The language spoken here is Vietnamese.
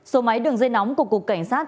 số máy đường dây nóng của cục cảnh sát